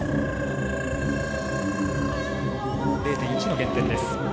０．１の減点です。